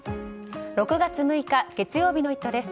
６月６日、月曜日の「イット！」です。